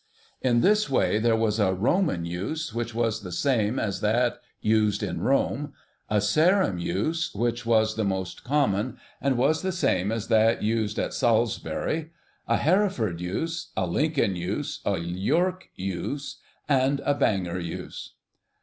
In this way there was a 'Roman Use,' which was the same as that used in Rome; a 'Sarum Use,' which was the most common, and was the same as that used at Salisbury; a 'Hereford Use'; a 'Lincoln Use'; a 'York Use'; and a 'Bangor Use.